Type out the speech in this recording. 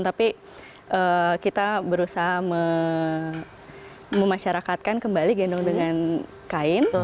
tapi kita berusaha memasyarakatkan kembali gendong dengan kain